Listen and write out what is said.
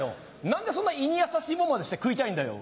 何でそんな胃に優しいもんまで食いたいんだよ。